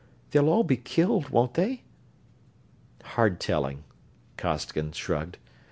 "They'll all be killed, won't they?" "Hard telling," Costigan shrugged.